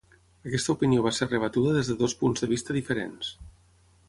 Aquesta opinió va ser rebatuda des de dos punts de vista diferents.